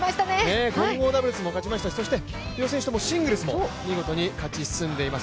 混合ダブルスも勝ちましたしそして両選手ともシングルスでも勝ち進んでいます。